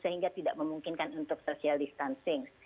sehingga tidak memungkinkan untuk social distancing